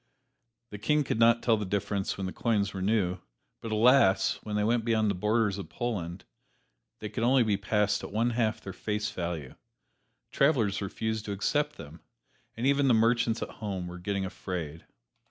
The King could not tell the difference when the coins were new, but alas! when they went beyond the borders of Poland they could only be passed at one half their face value; travelers refused to accept them; and even the merchants at home were getting afraid.